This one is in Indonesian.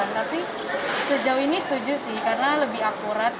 tapi sejauh ini setuju sih karena lebih akurat